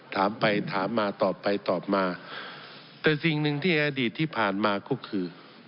ถามไปถามมาตอบไปตอบมาแต่สิ่งหนึ่งที่อดีตที่ผ่านมาก็คือ